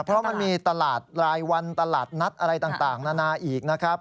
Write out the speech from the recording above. เพราะมันมีตลาดรายวันตลาดนัดอะไรต่างนานาอีกนะครับ